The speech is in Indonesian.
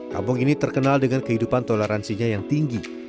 kampung ini terkenal dengan kehidupan toleransinya yang tinggi